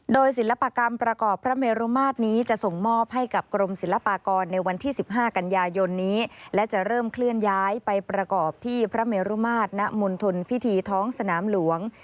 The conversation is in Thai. โดยศิลปกรรมประกอบพระเมรุมาตรนี้จะส่งมอบให้กับกรมศิลปากรในวันที่๑๕กันยายนนี้และจะเริ่มเคลื่อนย้ายไปประกอบที่พระเมรุมาตรณมณฑลพิธีท้องสนามหลวง